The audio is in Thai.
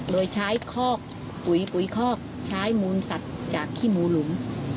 โดยใช้คอกปุ๋ยปุ๋ยคอกใช้มูลสัตว์จากขี้หมูหลุม